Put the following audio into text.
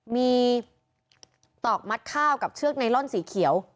มีตอกมัดข้าวกับเชือกไนลอนสีเขียว